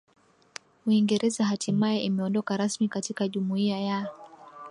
Uingereza hatimae imeondoka rasmi katika jumuiya ya